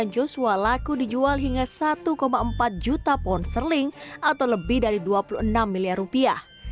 satu empat juta pohon serling atau lebih dari dua puluh enam miliar rupiah